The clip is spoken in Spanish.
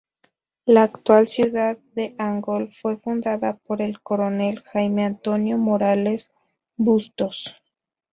La actual ciudad de Angol fue fundada por el coronel Jaime Antonio Morales Bustos.